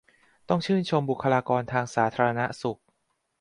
ซึ่งต้องชื่นชมบุคคลากรทางสาธารณสุข